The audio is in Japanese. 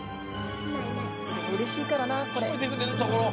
うれしいからなこれ。